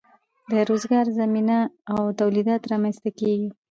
د روزګار زمینه او تولیدات رامینځ ته کیږي.